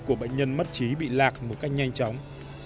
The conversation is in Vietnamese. của bệnh nhân mất trí bị lạc một cách nhanh chóng